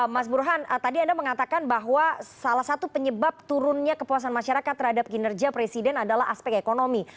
mas burhan tadi anda mengatakan bahwa salah satu penyebab turunnya kepuasan masyarakat terhadap kinerja presiden adalah aspek ekonomi